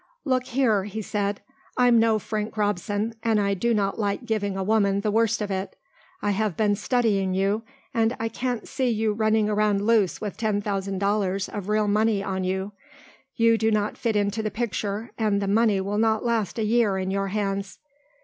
"Look here!" he said, "I'm no Frank Robson and I do not like giving a woman the worst of it. I have been studying you and I can't see you running around loose with ten thousand dollars of real money on you. You do not fit into the picture and the money will not last a year in your hands.